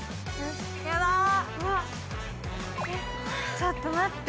ちょっと待って。